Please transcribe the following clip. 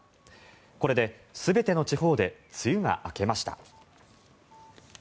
これで全ての地方で梅雨が明けました。